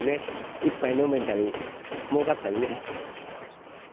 １杯飲めたり、儲かったりね。